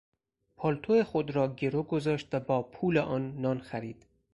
پالتو خود را گرو گذاشت و با پول آن نان خرید.